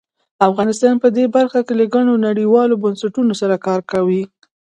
افغانستان په دې برخه کې له ګڼو نړیوالو بنسټونو سره کار کوي.